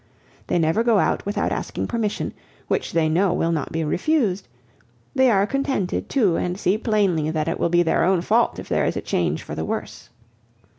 They never go out without asking permission, which they know will not be refused; they are contented too, and see plainly that it will be their own fault if there is a change for the worse.